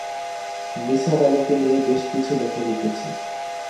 নিসার আলিকে নিয়ে বেশ কিছু লেখা লিখেছি।